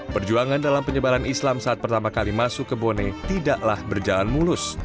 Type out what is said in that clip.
perjuangan dalam penyebaran islam saat pertama kali masuk ke bone tidaklah berjalan mulus